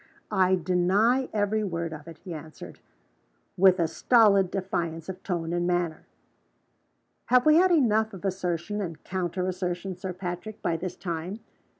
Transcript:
"I deny every word of it," he answered with a stolid defiance of tone and manner. "Have we had enough of assertion and counter assertion, Sir Patrick, by this time?"